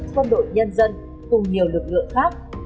quân đội nhân dân cùng nhiều lực lượng khác